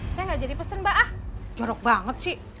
saya enggak jadi pesen mbak jorok banget sih